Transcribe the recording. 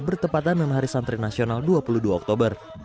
bertepatan dengan hari santri nasional dua puluh dua oktober